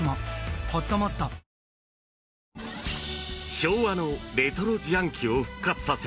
昭和のレトロ自販機を復活させ